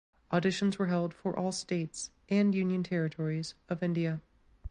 Auditions were held for all states and union territories of India.